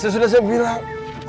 sudah saya bilang